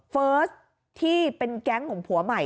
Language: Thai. เฟิร์สที่เป็นแก๊งของผัวใหม่